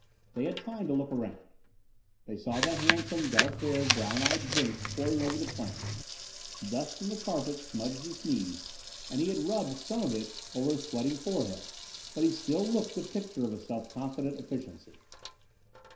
They had time to look around. They saw the handsome, dark haired, brown eyed Jenks poring over the plans. Dust from the carpet smudged his knees, and he had rubbed some of it over a sweating forehead, but he still looked the picture of self confident efficiency.